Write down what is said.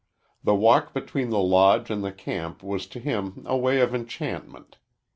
The walk between the Lodge and the camp was to him a way of enchantment.